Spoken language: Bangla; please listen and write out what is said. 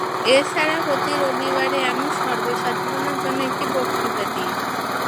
এ ছাড়া প্রতি রবিবারে আমি সর্বসাধারণের জন্য একটি বক্তৃতা দিই।